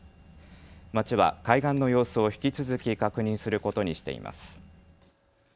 町は海岸の様子を引き続き確認することにしています。